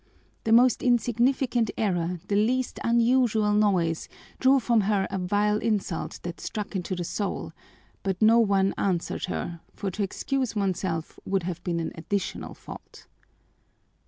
The most insignificant error, the least unusual noise, drew from her a vile insult that struck into the soul, but no one answered her, for to excuse oneself would have been an additional fault.